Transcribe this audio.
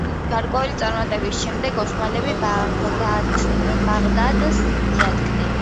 გარკვეული წარმატებების შემდეგ ოსმალები ბაღდადს მიადგნენ.